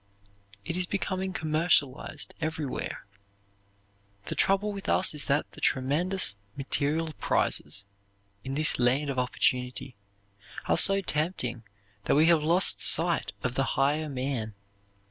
It is becoming commercialized everywhere. The trouble with us is that the tremendous material prizes in this land of opportunity are so tempting that we have lost sight of the higher man.